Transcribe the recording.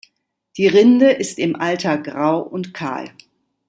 Die Rinde ist im Alter grau und kahl.